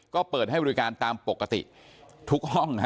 ก็เปิดให้บริการตามปกติทุกห้อง